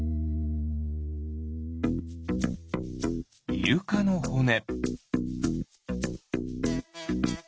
イルカのほね。